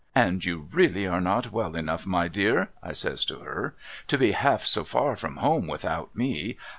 — And you really are not well enough my dear' I says to her 'to be half so far from home without me.